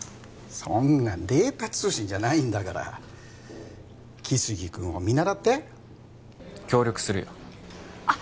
そんなデータ通信じゃないんだから来生君を見習って協力するよあっ